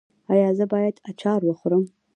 ایا زه باید اچار وخورم؟